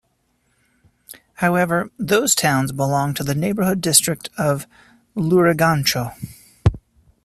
However those towns belong to the neighboring district of Lurigancho.